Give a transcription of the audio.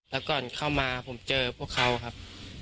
แล้วก่อนเข้ามาผมเจอพวกเขาครับ